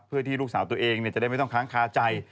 เพื่อที่ลูกสาวตัวเองจะได้ไม่ต้องค้างคาใจ